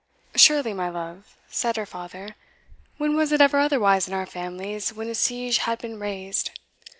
"Surely, my love," said her father; "when was it ever otherwise in our families when a siege had been raised?"